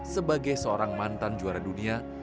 sebagai seorang mantan juara dunia